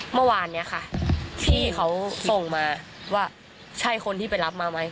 เมื่อวานนี้ค่ะพี่เขาส่งมาว่าใช่คนที่ไปรับมาไหม